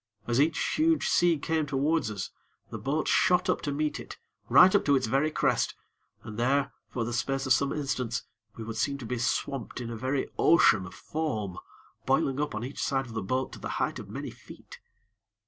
As each huge sea came towards us, the boat shot up to meet it, right up to its very crest, and there, for the space of some instants, we would seem to be swamped in a very ocean of foam, boiling up on each side of the boat to the height of many feet.